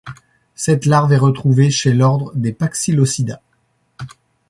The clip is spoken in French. Cette larve est retrouvée chez l’ordre des Paxillosida.